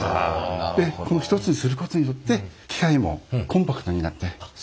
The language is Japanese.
でこの１つにすることによって機械もコンパクトになって。